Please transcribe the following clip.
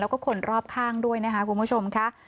แล้วก็คนรอบข้างด้วยนะคะคุณผู้ชมค่ะ